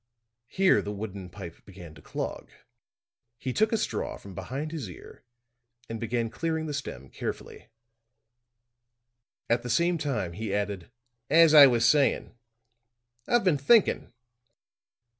Here the wooden pipe seemed to clog; he took a straw from behind his ear and began clearing the stem carefully. At the same time he added: "As I was saying, I've been thinking."